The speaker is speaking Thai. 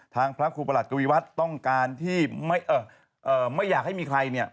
พระครูประหลัดกวิวัฒน์ต้องการที่ไม่อยากให้มีใครเนี่ย